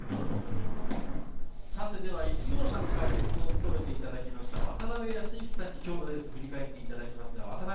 １号車の解説を務めていただきました渡辺康幸さんに今日のレースを振り返っていただきます。